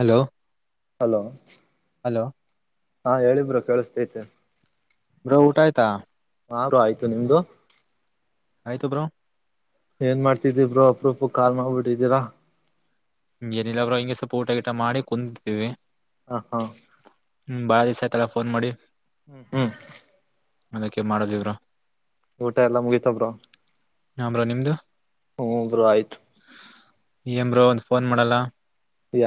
hello hello hello ಹಾ ಹೇಳಬರು ಕೇಳಿಸತೈತೆ ಬ್ರ ಊಟ ಆಯ್ತಾ ಹು ಆಯ್ತು ನಿಮ್ದು ಆಯ್ತು ಬ್ರೋ ಏನ್ ಮಾಡ್ತಿದ್ದಿಬ್ರೋ ಅಪ್ರಪ ಕಾರ್ ಮಾಡಗ್್ಬಿಟ್ಟಿದ್ದೀರಾ ಹ ಏನಿಲ್ಲರು ಹಿಂಗಗೆ ಸ್ವಲ್ಪ ಊಟ ಊಟ ಮಾಡಿ ಕುಂದಿದ್ದೇವಿ ಹ ಹಾ ಹ್ಮ್ ಬಾಳ ದಿವಸಯ ತಲ್ಲಾ ಫೋನ್ ಮಾಡಿ ಹ್ಮ್ ಹ್ಮ್ ಅದಕ್ಕೆ ಮಾಡದಿವರು ಊಟ ಎಲ್ಲಾ ಮುಗಿತಬ್ರು ಹಮ್ರ ನಿಮ್ದು ಹ್ಮಬರು ಆಯ್ತು ಏಂಬ್ರೋ ಒಂದ ಫೋನ್ ಮಾಡಲ್ಲ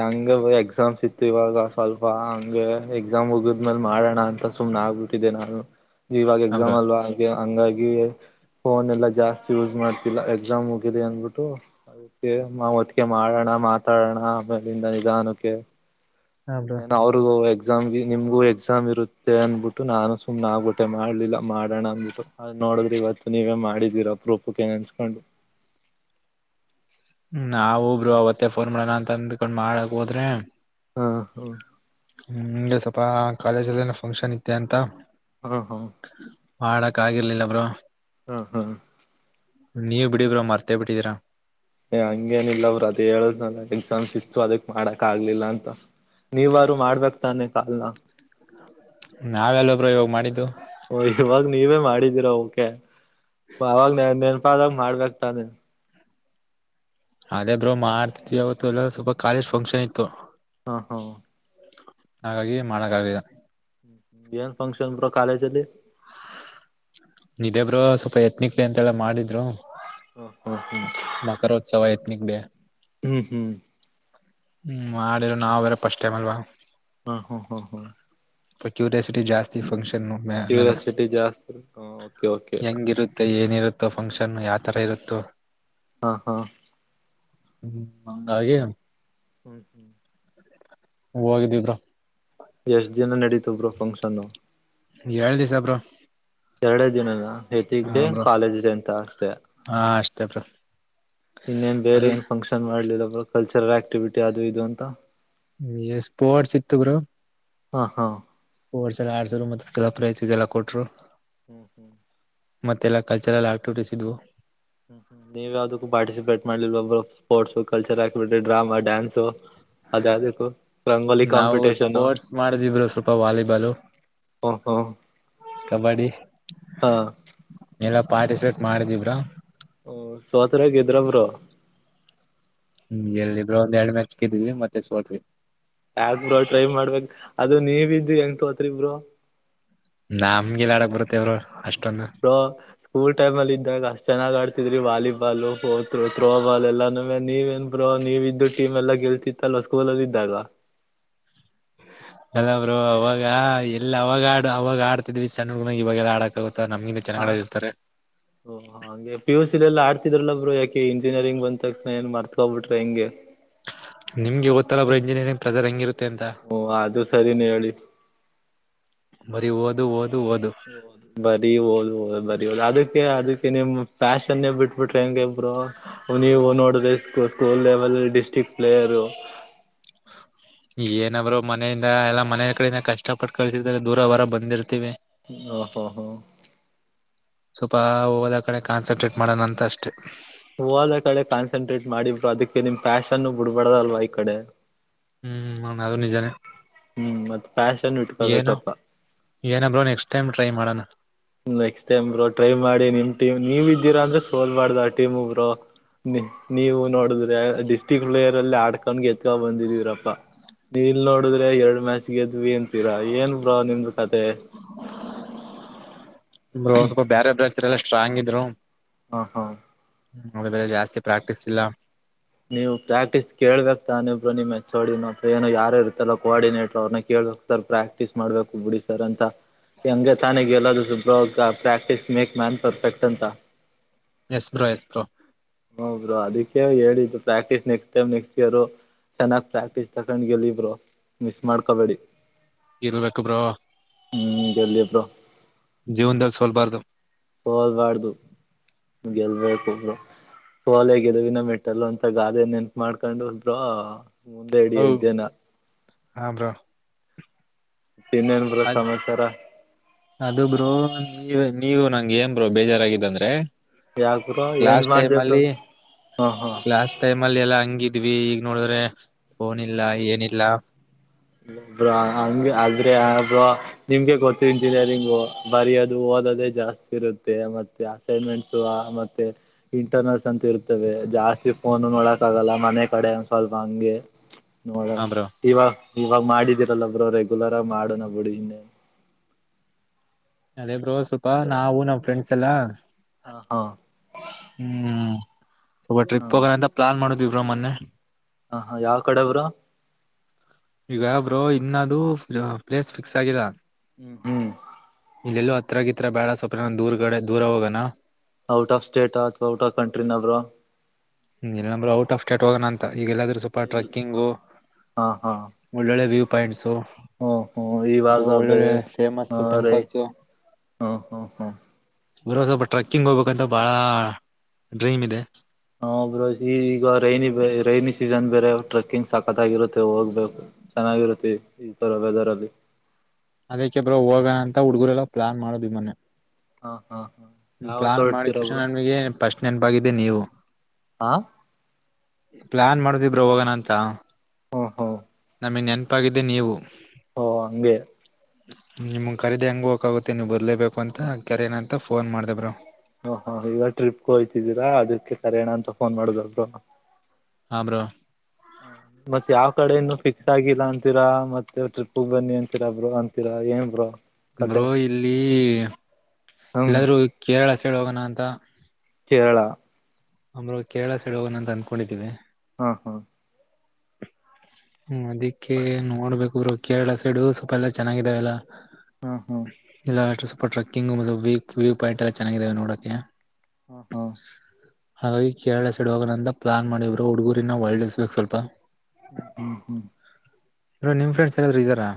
ಹಂಗಗೆ ಎಕ್ಸಾಮ್ಸ್ ಇತ್ತು ಇವಾಗ ಸ್ವಲ್ಪ ಹಂಗೆ ಎಕ್ಸಾಮ್ ಉಗಿದ್ಮೇಲೆ ಮಾಡೋಣ ಅಂತ ಸುಮ್ ಆಗ್ಬಿಟ್ಟಿದ್ದೆ ನಾನು ಇವಾಗ ಹಾ ಎಕ್ಸಾಮ್ ಬ್ರೋ ಅಲ್ವಾ ಹಾಗೆ ಹಂಗಾಗಿ ಫೋನ್ ಎಲ್ಲಾ ಜಾಸ್ತಿ ಯೂಸ್ ಮಾಡ್ತಿಲ್ಲ ಎಕ್ಸಾಮ್ ಹೋಗಿರಿ ಅಂದ್ಬಿಟ್ಟು ಮಾ ಹೊತ್ತಿಗೆ ಮಾಡೋಣ ಮಾತಾಡೋಣ ೇಿಂದ ನಿಧಾನಕ್ಕೆ ಇನ್ನೇನು ಅವ್ರಿಗೂ ಎಕ್ಸಾಮ್ಗೆ ನಿಮ್ಗೂ ಎಕ್ಸಾಮ್ ಇರುತ್ತೆ ಅಂದ್ಬಿಟ್ಟು ನಾನು ಸು್ ನಾವು ಹೊಟ್ಟೆ ಮಾಡ್ಲಿಲ್ಲ ಮಾಡೋಣ ಅಂದ್ಬಿಟ್ಟು ನೋಡಿದ್ರಿ ಇವತ್ತು ನೀವೇ ಮಾಡಿದೀರಾ ಪ್ರೂಪಕ ಏನ್ ಅನ್ಸ್ಕೊಂಡು ಹ್ಮ ನಾವ ಒಬ್ರು ಅವತ್ತೇ ಫೋನ್ ಮಾಡೋಣ ಅಂತ ಅಂದ್ಕೊಂಡ್ ಮಾಡಕ್ ಹೋದ್ರೆ ಹಾ ಹಾ ಹ್ಮ ನಿಮಗೆ ಸ್ವಪ ಕಾಲೇಜಲ್ಲಏನ ಫಂಕ್ಷನ್ ಇದೆ ಅಂತ ಹ್ಮ ಹಾ ಮಾಡಾಕ್ ಆಗರ್ಲಿಲ್ಲಬ್ರು ಹ್ಮ ಹಾ ನೀವ್ ಬಿಡಿಗ್ರ ಮರ್ತೇ ಬಿಟ್ಟಿದೀರಾ ಏ ಹಂಗೇನಿಲ್ಲ ಅವರು ಅದ ಹೇಳದ್ನಲ್ಲ ಎಕ್ಸಾಮ್ಸ್ ಇತ್ತು ಅದಕ್ ಮಾಡಕ್ ಆಗ್ಲಿಲ್ಲ ಅಂತ ನೀವಾರು ಮಾಡ್ಬೇಕಕ್ತಾನೆ ಕಾಲ್ನ ನಾವೆಲ್ಲ ಬ್ರೋ ಇವಾಗ ಮಾಡಿದ್ದು ಇವಾಗ ನೀವ ಮಾಡಡಿ ರ ಓಕೆ ಅವಾಗ ನ ನೆನಪಾದಾಗ ಮಾಡ್ಬೇಕಕ್ತಾನೆ ಅದೇ ಬ್ರರು ಮಾಡ್ತಿದ್ವಿ ಅವತ್ತು ಎಲ್ಲ ಸ್ವಲ್ಪ ಕಾಲೇಜ್ ಫಂಕ್ಷನ್ ಇತ್ತು ಹಾ ಹಾ ಹಾಗಾಗಿ ಮಾಡಕ್ಕಾಗಿಲ್ಲ ಬನ್ಫಕ್ಷನ್ ಪ್ರ ಕಾಲ ಚಲ್ಲಿ ಇದೇಬ್ರು ಸ್ವಲ್ಪ ಯತ್ನಿಕ್ಲಿ ಅಂತೆಲ್ಲ ಮಾಡಿದ್ರು ಹ್ಮ್ ಹ್ಮ್ ಹ್ಮ್ ಮಕೋತ್ ಸವಯತ್ನ ಬ ಹ್ಮ್ ಹ್ಮ್ ಹ್ಮ್ ಮಾಡಿದ್ರ ನಾವವು ಬೇ್ರ ಪಫಸ್ಟ್ ಟೈಮ್ ಅಲ್ವಾ ಹಾ ಹಾ ಹಾ ಹಾ ಕ್ಯೂರಿಯಾಸಿಟಿ ಜಾಸ್ತಿ ಫಂಕ್ಷನ್ ಆಮೇಲೆ ಹ ಹೆಂಗಿರುತ್ತೆ ಏನಿರುತ್ತೋ ಫಂಕ್ಷನ್ ಯಾವ ತರ ಇರುತ್ತೋ ಹಾ ಹಾ ಹ್ಮ ಮಂಗ ಆ ಹ್ಮ್ ಹ್ಮ್ ಹೂೋಗಿದ್ದಿದ್ರ ಎಷ್ಟ್ ದಿನ ನಡೀತಬ್ರು ಫಂಕ್ಷನ್ ಏಳ್ ದಿವಸಬ್ರು ಎರಡೇ ದಿನನ ಹೆತಿಕ್ ಡೇ ಕಾಲೇಜ್ ಡೇ ಅಂತ ಅಷ್ಟೇ ಹಾ ಅಷ್ಟೇ ಬ್ರೋ ಇನ್ನೇನ್ ಬೇರೆ ಅಲ್ ಏನ್ ಫಂಕ್ಷನ್ ಮಾಡ್ಲಿಲ್ಲ ಕಲ್ಚರಲ್ ಆಕ್ಟಿವಿಟಿ ಅದು ಇದು ಅಂತ ಎಸ್ ಪೋರ್ಸ ಇತ್ತು ಗರು ಹಾ ಹಾ ಸ್ಪೋರ್ಸ್ ಎಲ್ಲ ಆಡ್ಸ್ರು ಮತ್ತೆ ಕಲ ಪ್ರೈಸ್ ಇದೆ ಎಲ್ಲ ಕೊಟ್ಟರು ಹ್ಮ್ ಹ್ಮ್ ಮತ್ತೆಲ್ಲಾ ಕಲ್ಚರಲ್ ಆಕ್ಟಿವಿಟೀಸ್ ಇದವು ಹ್ಮ್್ಮ್ ನೀವ ಯಾವ್ದಕ್ಕೂ ಪಾರ್ಟಿಸಿಪೇಟ್ ಮಾಡ್ಿಲ್ ಒಬ್ರು ಸ್ಪೋರ್ಟ್ಸ್ ಕಲ್ಚರ್ ಆ ಟ್ಟ ಡ್ರಾಮಾ ಡ್ಯಾನ್ಸು ಅದದಕ್ಕೂ ರಂಗೋಲಿ ನಾವು ಕಾಂಪಿಟೇಷನು [inaudible] ಸ್ಪೋರ್ಟ್ಸ್ ಮಾಡಿದ್ವಿ ಬ್ರೋ ಸ್ವಲ್ಪ ವಾಲಿಬಾಲು ಹಾ ಹಾ ಕಬಡ್ಡಿ ಎಲ್ಲ ಪಾರ್ಟಿಸಿಪೇಟ್ ಮಾಡಿದಿವ್ರಾ ಹ ಸಥರ ಗೇದ್ರಾಮ್ರ ಹ್ಮ್ ಎಲ್ಲಿ ಇಬ್್ರ ಒಂದು ಎರಡು ಮ್ಯಾಚ್ ಕಿದ್ವಿ ಮತ್ತೆ ಸೋದವಿ ಯಾಕ್ಬ್ರೋ ಟ್ರೈ ಮಾಡ್ಬೇಕಕ್ ಅದು ನೀವ ಇದಿದ್ದು ಹೆಂಗ ತೋತ್ರಿಿಬ್ರರು ನಮ್ ಗಗೆಿಲ್ಲಾಡಕ್ ಬರುತ್ತೆವ್ರು ಸ್ಕೂಲ್ ಟೈಮ್ ಅಲ್ಲಿ ಇದ್ದಾಗ ಅಷ್ಟ್ ಚೆನ್ನಾಗ್ ಆಡ್ತಿದ್ರಿ ವಾಲಿಬಾಲ್ ಓತ್ರೋ ಥತ್ರೋ ಬಾಲ್ ಎಲ್ಲ ನೆ ನೀವ ಏನ್ ಬೋ ನೀವ ಇದ್ದು ಟೀಮ್ ಎಲ್ಲ ಗೆಲ್ಸಿತ್ತ ಅಲ್ವ ಸ್ಕೂಲದ ಇದಾಗ [inaudible] ಅಲ್ಲಬ್ರು ಅವಾಗ ಎಲ್ಲ ಅವಾಗ ಆಡ್ ಅವಾಗ ಆಡ್ತಿದ್ವಿ ಸಣ್ಣನ ಇವಾಗೆಲ್ಲ ಆಡಕಾಗುತ್ತೆ ಹಾ ಓ ಹಾಗೆ ಪಿಯುಸಲೆ ಎಲ್ಲ ಆಡ್ ಿದ್ರಲ್ಲಬ್್ರರು ಯಾಕೆ ಇಂಜಿನಿಯರಿಂಗ್ ಬಂದ ತಕ್ಷನ ಏನ್ ಮಾಡತಕೋಬ ಬಿಟ್ರೆ ಹೆಂಗೆ ಹ [inaudible] ನಿಮ್ಗೆ ಗೊತ್ತಲ್ಲ ಬ್ರ ಇಂಜಿನಿಯರಿಂಗ್ ಪ್ರಜರ್ ಹೆಂಗಿರುತ್ತೆ ಅಂತ ಓ ಅದು ಸರಿನೇ ಹೇಳಿ [inaudible] ಬರಿ ಹೌದು್ ಬರಿ ಹಓದ ಹದು ಬರ ಹದು ಅದಕ್ಕೆ ಅದ ನಿಮ್ ಪ್ಯಾಷನ್ೇ ಬಿಟ್ಬಿಟ್ರೆ ಹೆಂಗೆ ಇಬ್ರು ನೀವು ನೋಡ ಸ್ಕೂಲ್ ಲೆವೆಲ್ ಡಿಸ್ಟ್ರಿಕ್ ಪೆಲ್ಲಹರ್ ಹ ಏನಾದ್ರು ಮನೆಯಿಂದ ಎಲ್ಲಾ ಮನೆಯ ಕಡಿಂದ ಕಷ್ಟ ಪಟ್ಟ ಕಳಸಿದ್ರ ದೂರ ವರ ಬಂದಿರ್ತಿೀವಿ ಹ ಹ ಹ ಸ್ವಲ್ಪ ಹೋದ ಕಡೆ ಕಾನ್ಸಂಟ್ರೇಟ್ ಮಾಡೋಣ ಅಂತ ಅಷ್ಟೇ ಓದ ಕಡೆ ಕಾನ್ಸಂಟ್ರೇಟ್ ಮಾಡಿ ಅದಕ್ಕೆ ನಿಮ್ ಪಫ್ಯಾಶನ್ ಬಿಡ್ಬಾರಡ್ದಲ್ವಾ ಈ ಕಡೆ ಹ್ಮ್ ಹ ಅದು ನಿಜಾನೇ ಹ್ಮ್ ಮತ್ತೆ ಏನ ಏನ ಬ್ರೋ ನೆಕ್ಸ್ಟ್ ಟೈಮ್ ಟ್ರೈ ಮಾಡೋಣ ನೆಕ್ಸ್ಟ್ ಟೈಮ್ ಬರು ಟ್ರೈ ಮಾಡಿ ನಿಮ್ ಟೀಮ್ ನೀವ್ ಇದೀರಾಂದ್ರೆ ಸೋಲ್ ಮಾಡ್ದ ಆ ಟೀಮು ಬ್ರರು ನೀ ನೀವು ನೋಡುದ್ರಿ ಡಿಸ್ಟ್ರಿಕ್ ಬ್ಲೇರ್ ಅಲ್ಲಿ ಆಡ್ಕೊಂಡ ಎತ್ಕ ಬಂದಿದೀರಪ್ಪಾ ನೀ ಇಲ್ ನೋಡುದ್ರೆ ಎರಡ್ ಮ್ಯಾಚ್ಗೆದ್ವಿ ಅಂತೀರಾ ಏನ್ ಬ್ರೋ ನಿಮ್ದು ಅದೇ [inaudible] ರು ಸ್ವಲ್ಪ ಬೇರೆ ಬ್ರಲ್ಲ ಸ್ಟ್ರಾಂಗ್ ಇದ್ರು ಹ ಹಾ ಆದರೆ ಜಾಸ್ತಿ ಪ್ರಾಕ್ಟೀಸ್ ಇಲ್ಲ ನೀವು ಪ್ರಾಕ್ಟೀಸ್ ಕೇಳ್ಬೇಕಕ್ ತಾನ ಬ್ರೋ ನಿಮ್ ಹೆಚ್ಚೋಡಿನ ಅಥವಾ ಏನು ಯಾರು ಇರ್ತ್ತಲ್ಲೋಆರ್ಡಿನೇಟರ್ ಅವ್ರನ್ನ ಕೇಳ ಸರ್ ಪ್ರಾಕ್ಟೀಸ್ ಮಾಡ್ಬೇಕು ಬಿಡಿ ಸರ್ ಅಂತ ಹಂಗೆ ತಾನೇಗ ಎಲ್ಲೂ ಸು್ರ ಪ್ರಾಕ್ಟೀಸ್ ಮೇಕ್ ಮ್ಯಾನ್ ಪರ್ಫೆಕ್ಟ್ ಅಂತ ಎಸ್ ಬ್ರೋ ಎಸ್ ಬ್ರೋ ಹ ಬ್ರೋ ಅದಕ್ಕೆೇ ಹೇಳಿದ್ದು practice next time next year ಚೆನ್ನಾಗಿ ಪ್ರಾಕ್ಟೀಸ್ ತಕೊಂಡ್ ಗೆಲ್ಲಿ ಬ್ರೋ ಮಿಸ್ ಮಾಡ್ಕೋಬೇಡಿ ಗೆಲ್ಬೇಕು ಬ್ರೋ ಹ್ಮ್ ಗೆಲ್ಲಿ ಬ್ರೋ ಜೀವನದಲ್ಲಿ ಸೋಲ್ ಲ್ಬಾರ್ದು ಹೋಲ್ಬಾರ್ದು ಗೆಲ್ಬೇಕು ಸೋಲೆ ಗೆಲುವಿನ ಮೆಟ್ಟಿಲು ಅಂತ ಗಾದೆ ನೆನಪು ಮಾಡ್ಕೊಂಡು ಬ್ರೋ ಮುಂದೆ ಇಡಿ ಎಜ್ಜನ ಹ ಬ್ರೋ ಇನ್ನೇನ್ ಬ್ರೋ ಅದ ಸಮಾಚಾರ ಅದು ಬ್ರೋ ನೀವ ನೀವು ನಂಗೆ ಹೆನ್ ಬ್ರೋ ಬೇಜಾರಾಗಿದ್ದ ಅಂದ್ರೆ ಯಾಕ ಬ್ರೋ ಏನ್ ಲಾಸ್ಟ್ ಟೈಮ್ ಮಾಡ್ದೆ ಬ್ರೋ ಅಲ್ಲಿ ಹ ಹ ಲಾಸ್ ಟೈಮ್ ಅಲ್ಲಿ ಎಲ್ಲಾ ಹಂಗಿದ ಇದ್ವಿ ಈಗ ನೋಡಿದ್ರೆ ಫೋನ್ ಇಲ್ಲ ಏನಿಲ್ಲ ಹಂಗ ಆದ್ರೆ ಬ್ರೋ ನಿಮ್ಗೆ ಗೊತ್ತ ಇಂಜಿನಿಯರಿಂಗ್ ಬರಿಯೋದು ಓದೋದೆ ಜಾಸ್ತಿ ಇರುತ್ತೆ ಮ ಅಸೈೆಂಟ್ ಮೆಂಟ್ಸ್ ಮತ್ತೆ ಇಂಟರ್ನಲ್ಸ್ ಅಂತ ಇವೆ ಜಾಸ್ತಿ ಫೋನು ನೋಡಕ್ ಆಗಲ್ಲ ಮನೆ ಕಡೆ ಒ ಸ್ವಲ್ಪ ಹಂಗೆ ನೋಡ ಹ ಬ್ರೋ ಇವಾಗ ಇವಾಗ ಮಾಡಿದೀರಲ್ಲ ಬ್ರೋ ರೆಗ್ಯುಲರ ಆಗಿ ಮಾಡೋಣ ಬಿಡಿ ಇನ್ನೆ ಅದೇ ಬ್ರೋ ಸ್ವಪಾ ನಾವು ನಮ್ ಫ್ರೆಂಡ್ಸ್ ಎಲ್ಲಾ ಹ ಹಾ ಹ್ಮ್ ಸ್ವಲ್ಪ ಹಾ ಟ್ರಿಪ್ ಹೋಗಣಂತ ಪ್ಲಾನ್ ಮಾಡುದ ಇವ್ರ ಮೊನ್ನೆ ಹ ಹ ಯಾವ ಕಡೆ ಬ್ರೋ ಈಗ ಬ್ರೋ ಅದು ಇನ್ನದ ಪ್ಲೇಸ್ ಫಿಕ್ಸ್ ಆಗಿಲ್ಲ ಹ್ಮ ಹ್ಮ್ ಇಲ್ಲೆಲ್ಲೋ ಹತ್ರಗಿತ್ರ ಬೇಡ ಸೋಲ್ಪ ದೂರ್ಗಡೆ ದೂರ ಹೋಗೋಣ ಔಟ್ ಆಫ್ ಸ್ಟೇಟ್ ಅಥವಾ ಔಟ್ ಆಫ್ ಕಂಟ್ರಿ ನವರು ಹ್ಮ ಇಲ್ಲ ಬ್ರೋ ಔಟ್ ಆಫ್ ಸ್ಟೇಟ್ ಹೋಗಣ ಅಂತ ಈಗೆಲ್ಲಾದ್ರೂ ಸ್ವಪ ಇಲ್ ಟ್ರೆಕ್ಕಿಂಗು ಒಳ್ಳೊಳ್ಳೆ ವ್ಯೂ ಪಾಯಿಂಟ್ಸ ಹಓ ಹ್ಮ ಇವಾಗ ಬೇರೆ ಫೇಮಸ್ ಹ ರೈನ್ ಟೆಂಪಲ್ಸು ಹಾ ಹಾ ಹಾ ಬ್ರೋ ಸ್ವಲ್ಪ ಟ್ರೆಕ್ಕಿಂಗ್ ಹೋಗ್ಬೇಕಂತ ಬಹಳ ಡ್ರೀಮ್ ಇದೆ ಹ ಬ್ರೋ ಈಗ ರೈನಿ ರೈನಿ ಸೀಸನ್ ಬೇರೆ ಟ್ರೆಕ್ಕಿಂಗ್ ಸಾಕತ್ಗಿರುತ್ತೆ ಹೋಗ್ಬೇಕು ಚೆನ್ನಾಗಿ ಇರುತ್ತೆ ಈ ತರ ವೇದರಲಿ ಅದಕ್ಕೆ ಬ್ರ ಹೋಗಣ ಅಂತ ಹುಡ್ಗರೆಲ್ಲ ಪ್ಲಾನ್ ಮಾಡುದವಿ ಮೊನ್ನೆ ಹ ಹಾ ಹ ಯಾವತ್ ಪ್ಲಾನ್ ಮಾಡಿದ ಹೊರಡ್ತೀರ ತಕ್ಷಣ ಬ್ರೋ ನನಗೆ ಫಸ್ಟ್ ನೆನಪಾಗಿದ್ದ ನೀವು ಹಾ ಪ್ಲಾನ್ ಮಾಡುದಬ್ರ ಹೋಗಣ ಅಂತ ಹಾ ಹಾ ಆಮೇ ನೆನಪಾಗಿದೆ ನೀವು ಓ ಹಂಗಗೆ ನಿಮ್ಗೆ ಖರೀದಿ ಹೆಂಗ ಹೋಗಕ್ಗುತ್ತೆ ನೀವ್ ಬರ್ಲೇಬೇಕು ಅಂತ ಕೆರನ ಅಂತ ಫೋನ್ ಮಾಡ್ದಬ್ರ ಹಓ ಹ ಈಗ ಟ್ರಿಪ್ಗೆ ಹಯ್ತಿದ್ದೀರಾ ಅದಕ್ಕೆ ಕರಯಣ ಅಂತ ಫೋನ್ ಮಾಡುದ ಹಾ ಬ್ರೋ ಮತ್ತೆ ಯಾವ ಕಡೆ ಇನ್ನು ಫಿಕ್ಸ್ ಆಗಿಲ್ಲ ಅಂತಿರಾ ಮತ್ತೆ ಟ್ರಿಪ್ಗ್ ಬನ್ನಿ ಅಂತೀರಾ ಬ್ರೋ ಅಂತರ ಏನ್ ಬ್ರೋ ಕತೆ ಬೋ ಇಲ್ಲಿ ಹ್ಮ್ ಎಲ್ಲಾದ್ರೂ ಕೇರಳ ಸಳ್ ಹೋಗೋಣ ಅಂತ ಕೇರಳ ಅಮ್ರ ಕೇಳ ಸಡ ಹಣ ಅಂತ ಅಂದಕೊಂಡಿದವಿ ಹಾ ಹಾ ಹ್ಮ ಅದಿಕ್ಕೆ ನೋಡ್ಬೇಕುರು ಕೇರಳ ಸೈಡು ಸ್ವಪ ಎಲ್ಲಾ ಚೆನ್ನಾಗಿದಾವೆಲ್ಲ ಹಾ ಹಾ ಟ್ರೆಕ್ಕಿಂಗ್ ಮ ವ ವ್ಯೂ ಪಾಯಿಂಟ್ ಎಲ್ಲ ಚೆನ್ನಾಗಿದಾವ ನೋಡೆ ಹಾ ಹಾ ಹಾಗಾಗಿ ಕೇರಳ ಸೈಡ್ ಹೋಗಣ ಅಂತ ಪ್ಲಾನ್ ಮಾಡವ್ರು ಹುಡುಗೂರಿನ ಹೊಳ್ಳೆಸಬೇಕು ಸ್ವಲ್ಪ ಹ್ಮ ಹ್ಮ್ ಇ ನಿಮ್ ಫ್ರೆಂಡ್ಸ್ ಹೇಳಾದ್ರು ಇದ್ದಾರಾ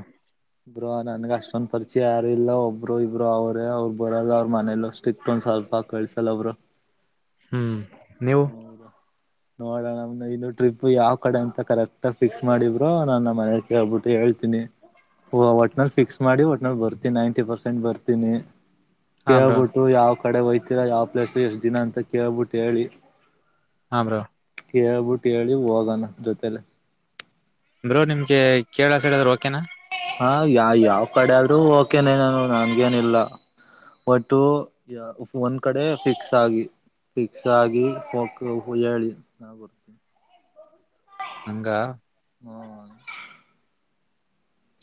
ಇಬ್ ನನ್ಗ ಅಷ್ಟೊಂದ ಪರಿಚಯ ಯಾರು ಇಲ್ಲ ಒಬ್ರು ಇಬ್ರು ಅವರೇ ಅವ್ರು ಬರೋದು ಅವ್ರ ಮನೇಲ್ಲಷ್ಟಿಕ್ ತ ಸ್ವಲ್ಪ ಕಳ್ಸಲ್ಲ ಅವರು ಹ್ಮ್ ನೀವು ಹ್ಮ್ ನೋಡೋಣ ನಮ ಇನ್ನು ಟ್ರಿಪ್ ಯಾವ್ ಕಡೆ ಅಂತ ಕರೆಕ್ಟ್ ಫಿಕ್ಸ್ ಮಾಡಿದಬ್ರೋ ನನ್ನ ಮನೆ ಹೋಗಬಿಟ್ಟು ಹೇಳ್ತಿ ಒಟ್ನಲ್ಲಿ ಫಿಕ್ಸ್ ಮಾಡಿ ಒಟ್ಟನಲ್ಲಿ ಬರ್ತೀನಿ ನೈಂಟಿ ಪರ್ಸೆಂಟ್ ಬರ್ತೀನಿ ಹಾ ಬ್ರೋ ಕೇಳ್ಬಿಟ್ಟು ಯಾವ ಕಡೆ ಹೋಯ್ತೀರ ಯಾವ್ ಪ್ಲೇಸ್ ಎಷ್ಟ್ ದಿನ ಅಂತ ಕೇಳ್ಬಿಟ್ಟು ಹೇಳಿ ಹಾ ಬ್ರೋ ಕೇಳ್ಬಿಟ್ಟು ಕಿ ಹೋಗಣ ಜೊತೆಲ್ಲ ಅಂದೋ ನಿಮ್ಗೆ ಕೇಳ ಸೈಡ್ದ್ರರು ಓಕೆನಾ ಹಾ ಯಾ ಯಾವ್ ಕಡೆ ಆದ್ರೂ ಓಕೆನೇನಾನನು ನನ್ಗೇನ ಇಲ್ಲ ಒಟ್ಟು ಒಂದ್ ಕಡೆ ಫಿಕ್ಸ್ ಆಗಿ ಫಿಕ್ಸ್ ಆಗಿ ಹಕ ಹೇಳಿ ನಡ್ತಿ ಹಂಗ ಹ್ಮ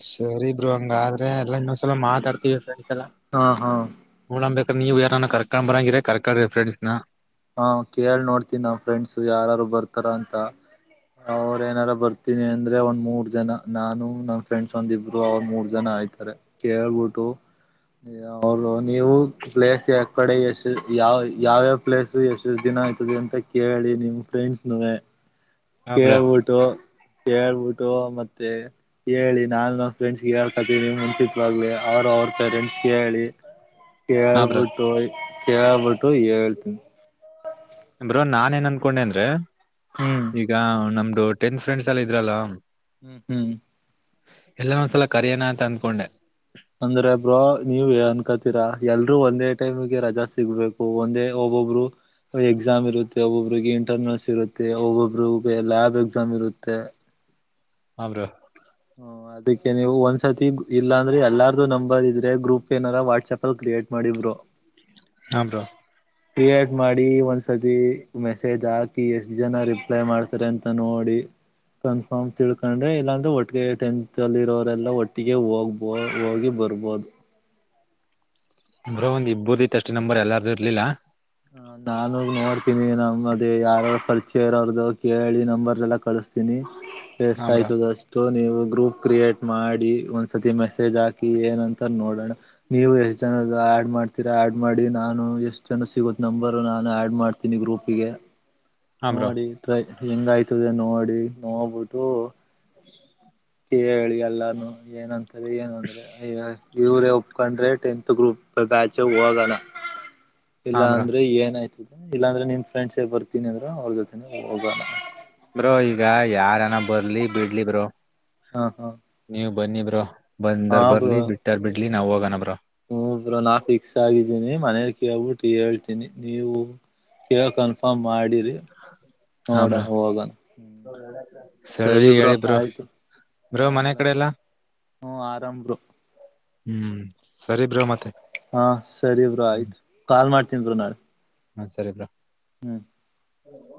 ಸರಿ ಬರು ಹಂಗಾದ್ರೆ ಎಲ್ಲಾ ಇನ್ನೊಂದ್ಸಲ ಮಾತಾಡ್ತಿವಿ ಫ್ರೆಂಡ್ಸ್ ಎಲ್ಲ ಹಾ ಹಾ ನಡಬೇಕ ನೀವು ಯಾರ ಕರ್ಕೊಂಡ್ ಬರಂಗರ ಕರೆಕ್ ಫ್ರೆಂಡ್ಸ್ನ ಹಾ ಕೇಳ್ ನೋಡ್ತೀನಿ ನ್ ಫ್ರೆಂಡ್ಸು ಯಾರಾರು ಬರ್ತಾರ ಅಂತ ಅವ್ರ ಏನಾರ ಬರ್ತೀನಿ ಅಂದ್ರೆ ಒಂದ್ ಮೂರ್ ಜನ ನಾನು ನಮ್ ಫ್ರೆಂಡ್ಸ್ ಒಂದಿಬ್ರು ಅವ್ರ ಮೂರ್ ಜನ ಆಯ್ತಾರೆ ಕೇಳ್ಬಿಟ್ಟು ಹೌದು ನೀವು ಪ್ಲೇಸ್ ಯ ಕಡೆ ಎಷ್ಟು ಯಾವ ಯಾವ್ಯಾವ ಪ್ಲೇಸು ಎಷ್ಟುಷ್ಟು ದಿನ ಆಯ್ತದೆ ಅಂತ ಕೇಳಿ ನಿಮ್ಮ ಫ್ರೆಂಡ್ಸ್ ಹಾ ಬ್ರೋ ಕೇಳಬಊಟ್ಟು ಹೇಳ್ಬಿಟ್ಟು ಮತ್ತೆ ಹೇಳಿ ನಾು ನ ಫ್ರೆಂಡ್ಸ್ ಹೇಳ್ ಕತೀ ಮುಂಚತ್ವಾಗ್ಲಿ ಅವರು ಅವ್ರ ಪೇರೆಂಟ್ಸ್ ಕ ಹೇಳಿ ಹ ಕೇಳ್ಬಿಟ್ಟು ಕೇಳ್ಬಿಟ್ಟು ಹೇಳ್ತೀನಿ ಬ್ರೋ ನಾನ ಏನ್ ಅನ್ಕೊಂಡೆ ಅಂದ್ರೆ ಹ್ಮ್ ಈಗ ನಮ್ದ ಟೆನ್ ಫ್ರೆಂಡ್ ಎಲ್ಲ ಇದ್ರಲ್ಲಾ ಹ್ಮ್ ಹ್ಮ್ ಎಲ್ಲ ಒಂದ್ಸಲ ಕರಿಯಣ ಅಂತ ಅಂದ್ಕೊಂಡೆ ರಾ ಎಲ್ರೂ ಒಂದೇ ಟೈಮ್ಗೆ ರಜಾ ಸಿಗ್ಬೇಕು ಒಂದೇ ಒಬ್ಬೊಬ್ರು ಎಕ್ಸಾಮ್ ಇರುತ್ತೆ ಒಬ್ಬೊಬ್ರಿಗೆ ಇಂಟರ್ನಲ್ಸ್ ಇರುತ್ತೆ ಒಬ್ಬೊಬ್ರಿಗೆ ಲ್ಯಾಬ್ ಎಕ್ಸಾಮ್ ಇರುತ್ತೆ [inaudible] ಬ್ರೋ ಹ್ಮ ಅದಕ್ಕೆ ನೀವು ಒಂದ್ಸರ್ತಿ ಇಲ್ಲಾಂದ್ರೆ ಎಲ್ಲಾರ್ದು ನಂಬರ್ ಇದ್ರೆ ಗ್ರೂಪ್ ಏನಾರ ವಾಟ್ಸಆಪ್ ಅಲ್ಲಿ ಕ್ರಿಯೇಟ್ ಮಾಡಿ ಬ್ರೋ ಹ್ ಬ್ರೋ ಕ್ರಿಯೇಟ್ ಮಾಡಿ ಒಂದ್ಸತಿ ಮೆಸೇಜ್ ಹಾಕಿ ಎಷ್ಟ ಜನ ರಿಪ್ಲೈ ಮಾಡ್ತಾರೆ ಅಂತ ನೋಡಿ ಕನ್ಫರ್ಮ್ ತಿಳ್ಕೊಂಡ್ರೆ ಇಲ್ಲಾಂದ್ರೆ ಒಟ್ಟಿಗೆ ಟೆಂತ್ ಅಲ್ಲಿ ಇರೋರೆಲ್ಲಾ ಒಟ್ಟಿಗೆ ಹೋಗ್ಬ ಹೋಗಿ ಬರಬೂದ ಬ್ರೋ ಒಂದು ಇಬ್ಬರದಿತ್ತಷ್ಟೆ ನಂಬರ್ ಎಲ್ಲಾರದು ಇರ್ಲಿಲ್ಲ ಹ ನಾನು ನೋಡ್ತೀನಿ ನಮ್ಮದ ಯಾರಾರ ಪರಿಚಯ ಇರೋರದು ಕೇಳಿ ನಂಬರಸ ಎಲ್ಲಾ ಕಳ್ಸ ತಿನಿ ಎಷ್ಟ ಹಾ ಬ್ರೋ ಆಯ್ತದ ಅಷ್ಟು ನೀವು ಗ್ರೂಪ್ ಕ್ರಿಯೇಟ್ ಮಾಡಿ ಒಂದ್ಸತಿ ಮೆಸೇಜ್ ಹಾಕಿ ಏನ್ಂತ ನೋಡೋಣ ನೀವು ಎಷ್ಟ ಜನದ ಆಡ್ ಮಾಡ್ತೀರಾ ಆಡ್ ಮಾಡಿ ನಾನು ಎಷ್ಟ ಜನ ಸಿಗುತ್ತ ನಂಬರ್ ನಾನು ಆಡ್ ಮಾಡ್ತೀನಿ ಗ್ರೂಪ್ಗೆ ಹಾ ಬ್ರೋ ನೋಡಿ ಟೈ ಹೆಂಗಾಯ್ತದ ನೋ ನೋಡಿ ನೋಡಬುಟ್ಟು ಕೇಳಿ ಎಲ್ಲಾರನೂ ಏನಂತಾರೆ ಏನು ಅಂದ್ರೆ ಇವರೇ ಒಪ್ಕೊಂಡ್ರೆ ಟೆಂತ್ ಗ್ರೂಪ್ ಬ್ಯಾಚು ಹೋಗಣ ಹಾ ಇಲ್ಲಾ ಬ್ರೋ ಅಂದ್ರೆ ಏನಾಯ್ತದ ಇಲ್ಲಾಂದ್ರೆ ನಿಮ್ ಫ್ರೆಂಡ್ಸ್ ಬರ್ತೀನಿ ಅಂದ್ರ ಅವ್ರ ಜೊತೆನೆ ಹೋಗೋಣ ಬ್ರೋ ಈಗ ಯಾರನ ಬರ್ಲಿ ಬಿಡ್ಲಿ ಬ್ರೋ ಹಾ ಹಾ ನೀವ್ ಬನ್ನಿ ಬ್ರೋ ಬಂದಾರ್ ಬರ್ಲಿ ಬಿಟ್ಟಾರ್ ಬಿಡ್ಲಿ ನಾವ ಹೋಗೋಣ ಬ್ರೋ ಹ್ಮ್ ಬ್ರೋ ನಾ ಫಿಕ್ಸ್ ಆಗಿದ್ದೀನಿ ಮನೆಲ್ಲ ಕೇಳ್ಬಿಟ್ಟ ಹೇಳ್ತೀನಿ ನೀವು ಈಗ ಕನ್ಫರ್ಮ್ ಮಾಡಿರಿ ಹಾ ನೋಡಣ ಬ್ರೋ ಹೋಗಣ್ ಸರಿ ಬ್ರೋ ಆಯ್ತು ಬ್ರೋ ಮನೆ ಏನಿಲ್ಲ ಕಡೆ ಬ್ರೋ ಎಲ್ಲಾ ಹ್ಮ ಆರಾಮ ಬ್ರೋ ಹ್ಮ್ ಸರಿ ಬ್ರೋ ಮತ್ತೆ ಹಾ ಸರಿ ಬ್ರೋ ಆಯ್ತು ಕಾಲ್ ಮಾಡ್ತೀನ್ ಬ್ರೋ ನಾಳೆ ಹಾ ಸರಿ ಬ್ರೋ ಹ್ಮ್ ಹ್ಮ